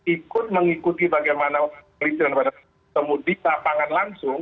ikut mengikuti bagaimana pelitian pada temudik lapangan langsung